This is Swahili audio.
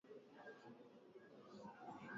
malizika huko jijini kampala huku baadhi ya vigogo